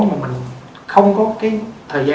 nhưng mà mình không có cái thời gian